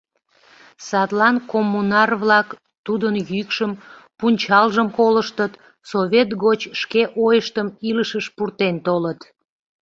Садлан коммунар-влак тудын йӱкшым, пунчалжым колыштыт, совет гоч шке ойыштым илышыш пуртен толыт.